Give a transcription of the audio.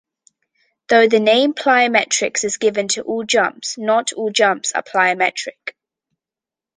Though the name plyometrics is given to all jumps, not all jumps are plyometric.